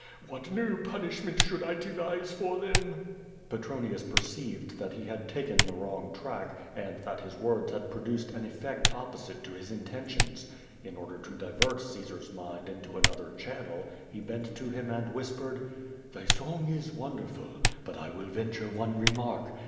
What new punishment should I devise for them?'' Petronius perceived that he had taken the wrong track, and that his words had produced an eflPect opposite to his inten tions. In order to divert Caesar's mind into another channej, he bent to him and whispered: "Thy son<^ is wonderful, but I will venture one remark.